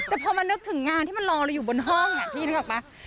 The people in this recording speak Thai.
แต่พอมานึกถึงงานที่มันรอเราอยู่บนห้องนี่พี่ยึกหรือทีละกับปะ